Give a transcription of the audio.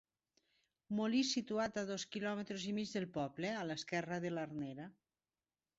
Molí situat a dos quilòmetres i mig del poble, a l'esquerra de l'Arnera.